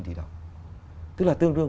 hai mươi tám tỷ đồng tức là tương đương